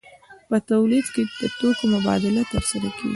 په تولید کې د توکو مبادله ترسره کیږي.